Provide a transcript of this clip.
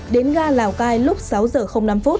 đến ga lào cai lúc sáu h năm